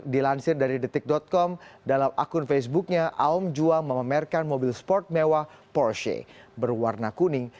dilansir dari detik com dalam akun facebooknya aom juang memamerkan mobil sport mewah porsche berwarna kuning